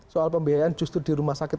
soal pembiayaan justru di rumah sakit